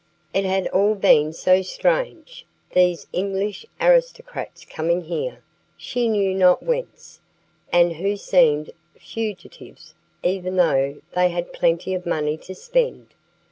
It had all been so strange: these English aristocrats coming here, she knew not whence, and who seemed fugitives even though they had plenty of money to spend.